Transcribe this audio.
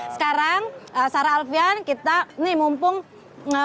sekarang sarah alfian kita nih mumpung